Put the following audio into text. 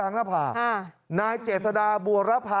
น้ายเจสระดาบ่วระภา